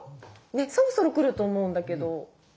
そろそろ来ると思うんだけど。